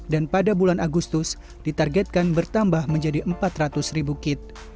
dan pada bulan agustus ditargetkan bertambah menjadi empat ratus kit